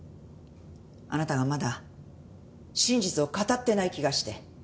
あなたがまだ真実を語っていない気がして。